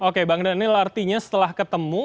oke bang daniel artinya setelah ketemu